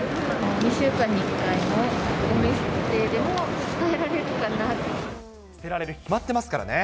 ２週間に１回のごみ捨てでも捨てられる日、決まってますからね。